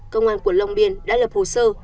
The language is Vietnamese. công an quận long biên đã lập hồ sơ